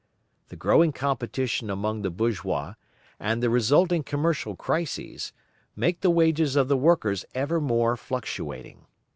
The growing competition among the bourgeois, and the resulting commercial crises, make the wages of the workers ever more fluctuating.